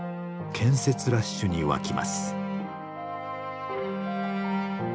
建設ラッシュに沸きます。